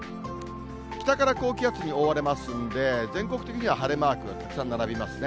北から高気圧に覆われますんで、全国的には晴れマークがたくさん並びますね。